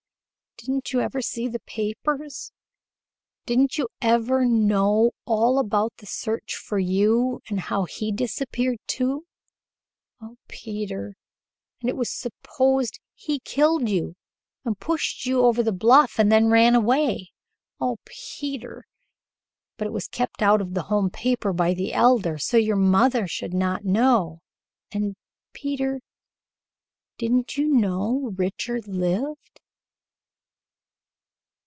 Didn't you ever see the papers? Didn't you ever know all about the search for you and how he disappeared, too? Oh, Peter! And it was supposed he killed you and pushed you over the bluff and then ran away. Oh, Peter! But it was kept out of the home paper by the Elder so your mother should not know and Peter didn't you know Richard lived?"